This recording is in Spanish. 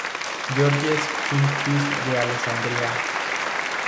George's Knights de Alessandria.